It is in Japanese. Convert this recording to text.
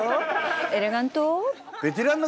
エレガン唐？